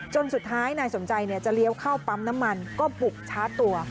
จนสุดท้ายนายสมชัยเนี่ยจะเลี้ยวเข้าปั๊มน้ำมันก็บุกช้าตัว